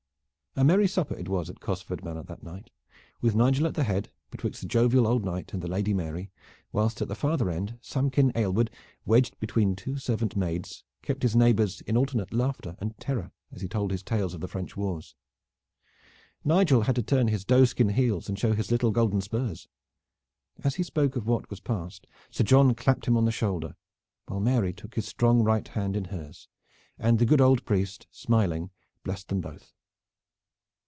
A merry supper it was at Cosford Manor that night, with Nigel at the head betwixt the jovial old knight and the Lady Mary, whilst at the farther end Samkin Aylward, wedged between two servant maids, kept his neighbors in alternate laughter and terror as he told his tales of the French Wars. Nigel had to turn his doeskin heels and show his little golden spurs. As he spoke of what was passed Sir John clapped him on the shoulder, while Mary took his strong right hand in hers, and the good old priest smiling blessed them both.